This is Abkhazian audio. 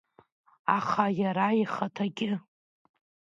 Аха иара ихаҭагьы.